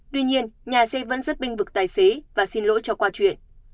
tuy nhiên nhà xe vẫn rất binh vực tài xế và xin lỗi cho qua chuyện